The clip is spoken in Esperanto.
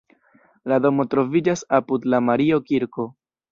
La domo troviĝas apud la Mario-kirko.